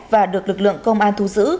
và được lực lượng công an thu giữ